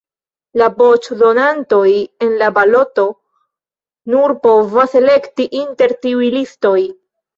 La voĉdonantoj en la baloto nur povas elekti inter tiuj listoj.